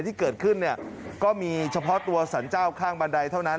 ที่เกิดขึ้นเนี่ยก็มีเฉพาะตัวสรรเจ้าข้างบันไดเท่านั้น